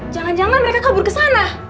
jangan jangan mereka kabur ke sana